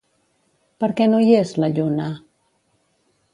Per què no hi és, la lluna?